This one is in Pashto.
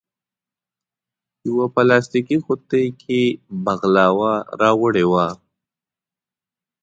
یوه پلاستیکي قوتۍ کې بغلاوه راوړې وه.